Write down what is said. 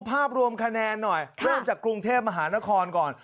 ภาพรวมคะแนนหน่อยเริ่มจากกรุงเทพมหานครก่อน